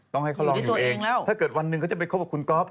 ต้องให้เขาลองอยู่เองถ้าเกิดวันหนึ่งเขาจะไปคบกับคุณก๊อฟ